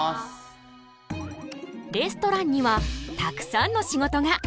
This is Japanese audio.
レストランにはたくさんの仕事が！